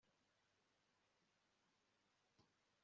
umwami wa mubali yakiriye abashyitsi